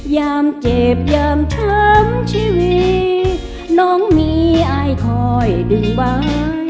ยามเจ็บยามช้ำชีวิตน้องมีอายคอยดึงไว้